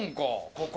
ここ。